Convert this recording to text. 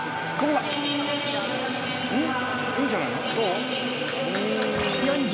いいんじゃない？